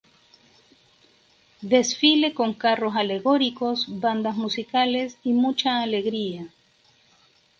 Desfile con carros alegóricos, bandas musicales y mucha alegría.